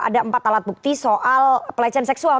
ada empat alat bukti soal pelecehan seksual